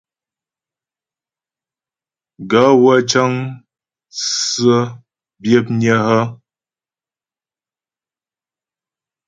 Gaə̂ wə́ cə́ŋ tsə́ byə̌pnƴə́ hə́ ?